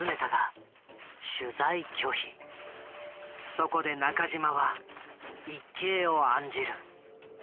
そこで中島は一計を案じる。